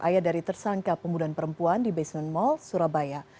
ayah dari tersangka pembunuhan perempuan di basement mall surabaya